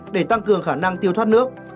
để tăng cường khả năng tiêu thoát nước